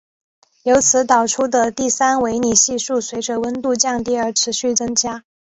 由此导出的第三维里系数随着温度降低而持续增加。